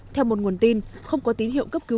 theo một nguồn tin không có tín hiệu cấp cứu